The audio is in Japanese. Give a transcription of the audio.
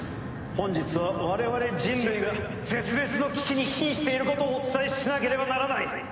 本日は我々人類が絶滅の危機に瀕していることをお伝えしなければならない。